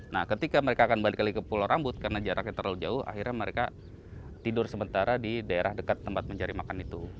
nah ketika mereka akan balik lagi ke pulau rambut karena jaraknya terlalu jauh akhirnya mereka tidur sementara di daerah dekat tempat mencari makan itu